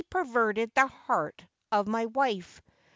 337 perverted the heart of my wife.